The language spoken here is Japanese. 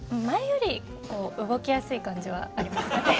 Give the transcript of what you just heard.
前より動きやすい感じはありましたね。